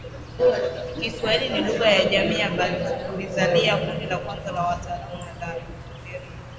Kiswahili ni Lugha ya Jamii ya Vizalia Kundi la kwanza la wataalamu wa nadharia